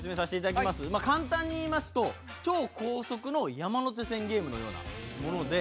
簡単にいいますと超高速の山手線ゲームのようなもので。